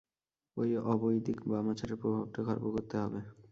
ঐ অবৈদিক বামাচারের প্রভাবটা খর্ব করতে হবে।